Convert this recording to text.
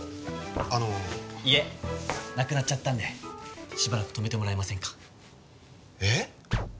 あの家なくなっちゃったんでしばらく泊めてもらえませんかえっ？